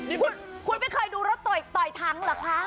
เอ้าคุณไม่เคยดูรถไต่ทั้งเหรอคะ